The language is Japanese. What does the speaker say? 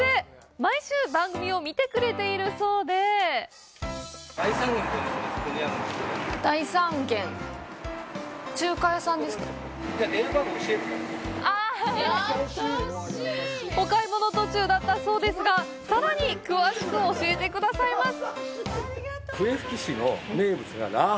毎週、番組を見てくれているそうでお買い物途中だったそうですが、さらに詳しく教えてくださいます。